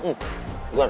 aku gak cuman